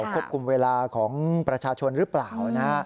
ควบคุมเวลาของประชาชนหรือเปล่านะ